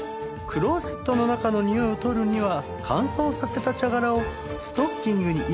クローゼットの中の臭いを取るには乾燥させた茶殻をストッキングに入れてつるす。